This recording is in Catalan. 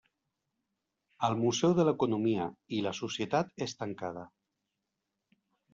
El Museu de l'economia i la societat és tancada.